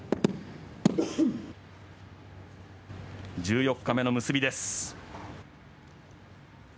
１４日目の結びです。